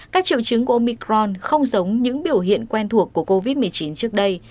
các triệu chứng của omicron không giống những biểu hiện quen thuộc của covid một mươi chín trước đây